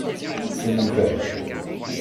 C’est mon père.